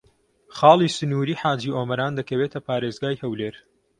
خاڵی سنووریی حاجی ئۆمەران دەکەوێتە پارێزگای هەولێر.